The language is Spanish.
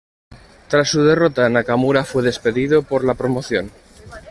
Tras su derrota, Nakamura fue despedido por la promoción.